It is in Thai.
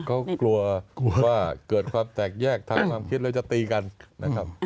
เขากลัวว่าเกิดความแตกแยกทางความคิดแล้วจะตีกันนะครับ